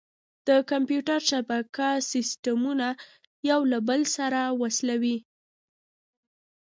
د کمپیوټر شبکه سیسټمونه یو له بل سره وصلوي.